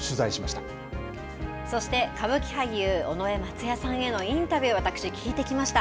そして歌舞伎俳優尾上松也さんへのインタビュー私聞いてきました。